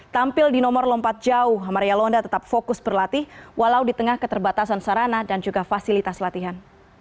tampil di nomor lompat jauh maria londa tetap fokus berlatih walau di tengah keterbatasan sarana dan juga fasilitas latihan